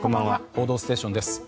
「報道ステーション」です。